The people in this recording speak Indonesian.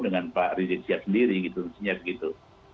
dengan pak ridit siap sendiri semestinya begitu